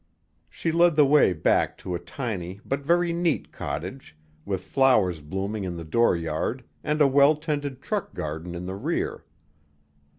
She led the way back to a tiny but very neat cottage, with flowers blooming in the door yard and a well tended truck garden in the rear.